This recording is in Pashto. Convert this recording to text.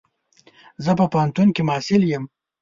زه په پوهنتون کي محصل يم.